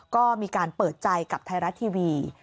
ก็มีการเปิดใจกับไทยรัฐทีวี